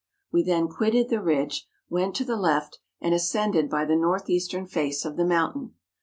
We then quitted the ridge, went to the left, and ascended by the north eastern face of the mountain.